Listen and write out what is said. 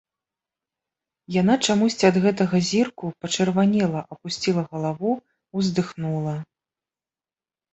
Яна чамусьці ад гэтага зірку пачырванела, апусціла галаву, уздыхнула.